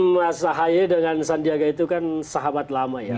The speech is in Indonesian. mas ahaye dengan sandiaga itu kan sahabat lama ya